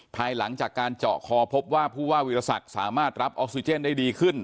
ภายหลังจากการเจาะคอพบว่าผู้ว่าวิรสักสามารถรับออกซิเจนได้ดีขึ้น